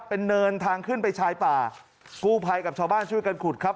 เป็นเนินทางขึ้นไปชายป่ากู้ภัยกับชาวบ้านช่วยกันขุดครับ